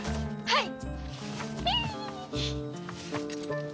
はい！